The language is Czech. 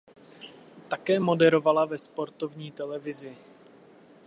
Také moderovala ve sportovní televizi.